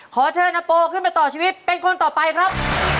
ขอเชิญอโปขึ้นมาต่อชีวิตเป็นคนต่อไปครับ